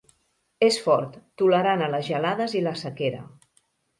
És fort, tolerant a les gelades i la sequera.